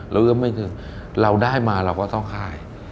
เราเอื้อมไม่ถึงเราได้มาเราก็ต้องค่าย